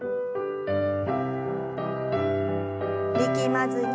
力まずに。